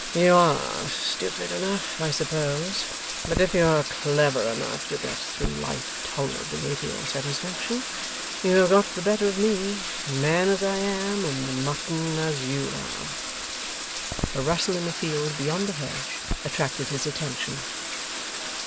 'You are stupid enough, I suppose. But if you are clever enough to get through life tolerably to your satisfaction, you have got the better of me, Man as I am, and Mutton as you are!' A rustle in a field beyond the hedge attracted his attention.